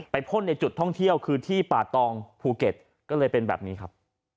พ่นในจุดท่องเที่ยวคือที่ป่าตองภูเก็ตก็เลยเป็นแบบนี้ครับ